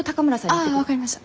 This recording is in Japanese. ああ分かりました。